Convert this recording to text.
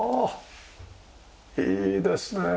いいですねえ。